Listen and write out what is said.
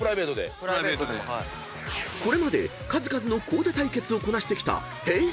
［これまで数々のコーデ対決をこなしてきたＨｅｙ！